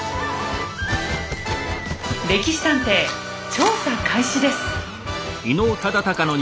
「歴史探偵」調査開始です。